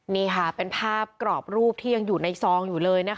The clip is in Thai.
นี่ค่ะเป็นภาพกรอบรูปที่ยังอยู่ในซองอยู่เลยนะคะ